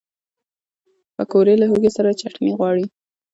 پکورې له هوږې سره چټني غواړي